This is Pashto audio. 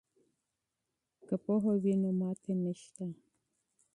که پوهه وي نو ماتې نشته.